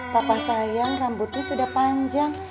papa sayang rambutnya sudah panjang